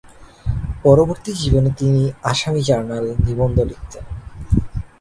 পরবর্তী জীবনে, তিনি আসামি জার্নাল নিবন্ধ লিখতেন।